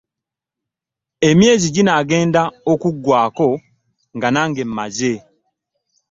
Emyezi ginaagenda okuggwaako nga nange mmaze.